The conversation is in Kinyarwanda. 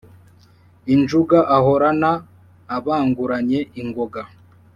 injunga ahorana abanguranye ingoga